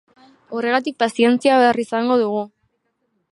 Horregatik pazientzia behar izango dugu.